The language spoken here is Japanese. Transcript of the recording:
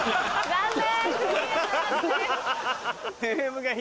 残念。